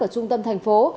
ở trung tâm thành phố